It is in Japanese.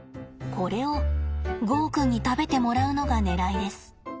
これをゴーくんに食べてもらうのがねらいです。